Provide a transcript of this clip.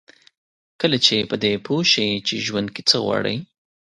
کله چې په دې پوه شئ چې ژوند کې څه غواړئ.